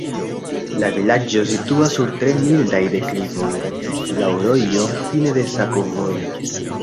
La vilaĝo situas sur tre mildaj deklivoj, laŭ rojo, fine de sakovojo.